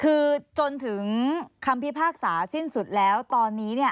คือจนถึงคำพิพากษาสิ้นสุดแล้วตอนนี้เนี่ย